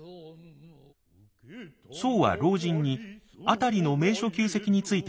僧は老人に辺りの名所旧跡について尋ねます。